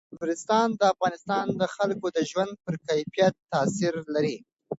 نورستان د افغانستان د خلکو د ژوند په کیفیت تاثیر لري.